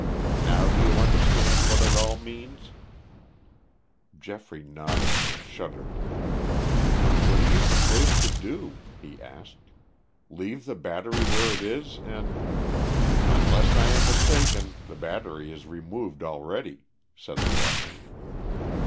Now do you understand what it all means?" Geoffrey nodded and shuddered. "What do you propose to do?" he asked. "Leave the battery where it is, and " "Unless I am mistaken, the battery is removed already," said the Russian.